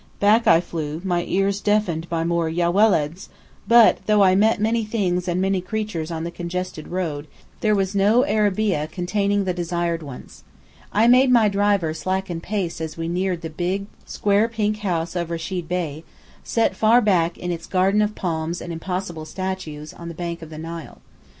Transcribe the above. Back I flew, my ears deafened by more "Ya Welads," but though I met many things and many creatures on the congested road, there was no arabeah containing the desired ones. I made my driver slacken pace as we neared the big, square pink house of Rechid Bey, set far back in its garden of palms and impossible statues, on the bank of the Nile.